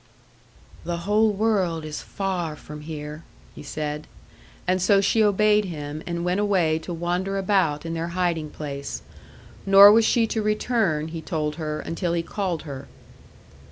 "The whole world is far from here," he said. And so she obeyed him, and went away to wander about in their hiding place; nor was she to return, he told her, until he called her.